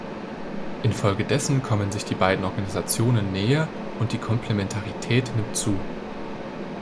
Infolgedessen kommen sich die beiden Organisationen näher und die Komplementarität nimmt zu.